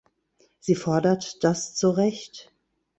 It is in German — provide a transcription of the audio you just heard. Sie fordert das zu Recht.